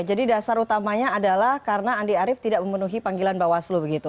jadi dasar utamanya adalah karena andi harim tidak memenuhi panggilan bawaslu begitu